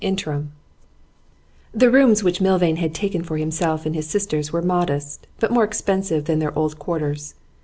INTERIM The rooms which Milvain had taken for himself and his sisters were modest, but more expensive than their old quarters.